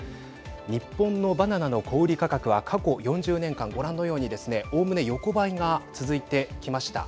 日本のバナナの小売り価格は過去４０年間ご覧のようにですねおおむね横ばいが続いてきました。